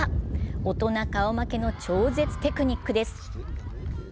大人顔負けの超絶テクニックです。